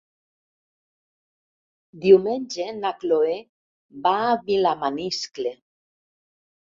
Diumenge na Cloè va a Vilamaniscle.